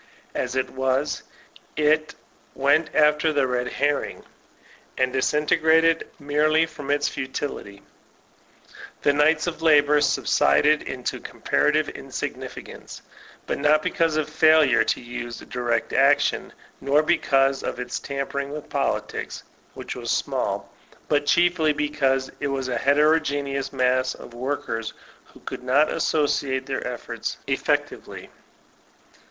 As it was, it "went after the red herring," and disintegrated merely from its futility. 334 yOLTAIKINE lOL ClEYXB The Knights of Labor subsided into comparative in significance, not because of failure to use direct action, nor because of its tampering with politics, which was small, but chiefly because it was a heterogeneous mass of workers who could not associate their efforts effect ively.